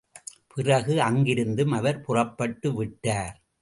பிறகு அங்கிருந்தும் அவர் புறப்பட்டு விட்டார்.